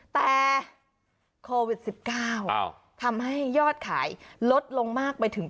แต่โควิด๑๙ทำให้ยอดขายลดลงมากไปถึง